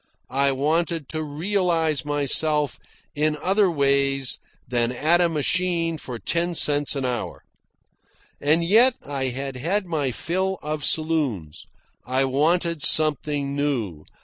I wanted to realise myself in other ways than at a machine for ten cents an hour. And yet I had had my fill of saloons. I wanted something new.